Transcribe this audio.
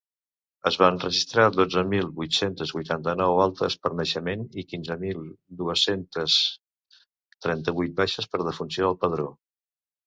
Es van registrar dotze mil vuit-centes vuitanta-nou altes per naixement i quinze mil dues-centes trenta-vuit baixes per defunció al padró.